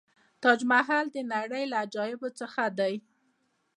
تاج محل د نړۍ له عجایبو څخه دی.